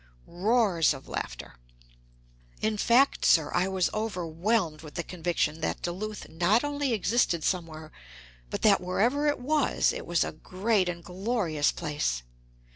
(Roars of laughter.) In fact, sir, I was overwhelmed with the conviction that Duluth not only existed somewhere, but that, wherever it was, it was a great and glorious place.